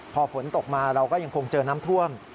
พอฝนตกมาเราก็ยังคงเจอน้ำท่วม